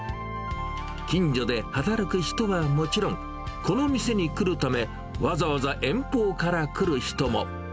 近所で働く人はもちろん、この店に来るため、わざわざ遠方から来る人も。